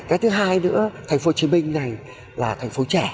cái thứ hai nữa thành phố hồ chí minh này là thành phố trẻ